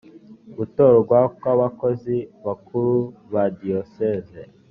gutorwa kw abakozi bakuru ba diyosezi